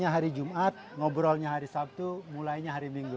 hari jumat ngobrolnya hari sabtu mulainya hari minggu